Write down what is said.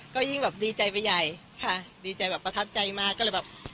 ก็ยิ่งแบบดีใจไปใหญ่ค่ะดีใจแบบประทับใจมากก็เลยแบบ